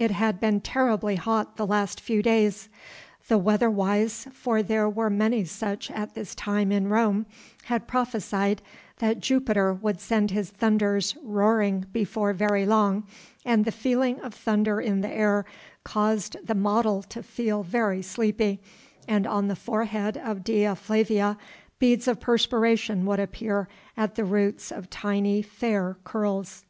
It had been terribly hot the last few days. The weather wise for there were many such at this time in Rome had prophesied that Jupiter would send his thunders roaring before very long, and the feeling of thunder in the air caused the model to feel very sleepy, and on the forehead of Dea Flavia beads of perspiration would appear at the roots of tiny fair curls.